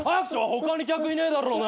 他に客いねえだろうな。